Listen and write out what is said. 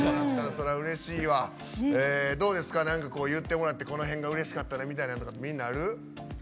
どうですか、言ってもらってこの辺がうれしかったねみたいなことみんなある？